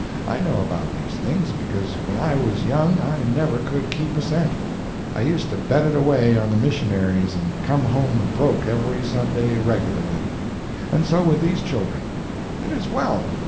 I know about these things, because when I was young I never could keep a cent; I used to bet it away on the missionaries and come home broke every Sunday regularly. And so with these children. It is well.